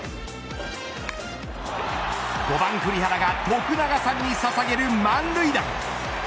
５番栗原が徳永さんにささげる満塁弾。